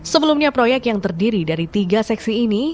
sebelumnya proyek yang terdiri dari tiga seksi ini